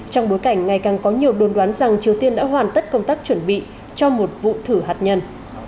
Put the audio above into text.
trong bối cảnh ngày càng có nhiều đồn đoán rằng triều tiên đã hoàn tất công tác chuẩn bị cho một vụ thử hạt nhân